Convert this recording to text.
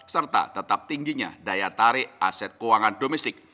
serta tetap tingginya daya tarik aset keuangan domestik